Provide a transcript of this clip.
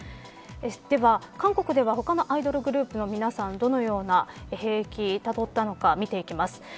では韓国では他のアイドルグループの皆さんどのような兵役たどったのか見ていきます。